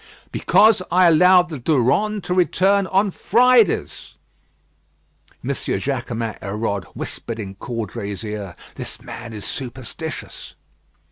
"Because I allowed the Durande to return on Fridays." M. Jaquemin Hérode whispered in Caudray's ear: "This man is superstitious."